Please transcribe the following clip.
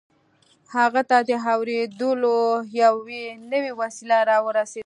هغه ته د اورېدلو يوه نوې وسيله را ورسېده.